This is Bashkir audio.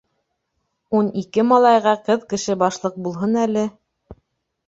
Ун ике малайға ҡыҙ кеше башлыҡ булһын әле.